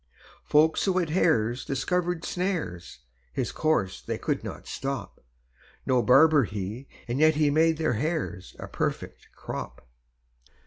Folks who had hares discovered snares His course they could not stop: No barber he, and yet he made Their hares a perfect crop.